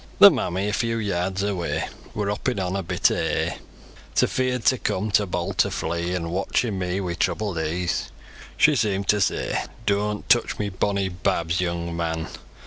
Ther mammy, a few yards away, Wor hoppin' on a bit o' hay, Too feard to come, too bold to flee; An' watchin me wi' troubled e'e, Shoo seem'd to say: "Dooant touch my bonny babs, young man!